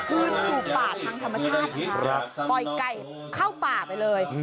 ปืนปลูกป่าทั้งธรรมชาติ